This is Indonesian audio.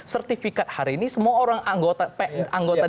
sertifikat hari ini semua orang anggota